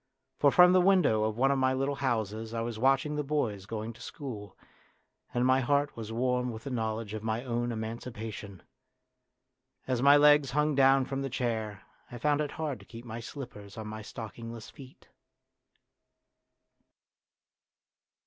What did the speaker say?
For from the window of one of my little houses I was watching the boys going to school, and my heart was warm with the knowledge of my own emancipation. As my legs hung down A DRAMA OF YOUTH 35 from the chair I found it hard to keep my slippers on my stockingless feet.